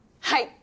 はい！